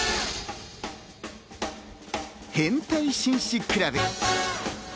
変態紳士クラブ。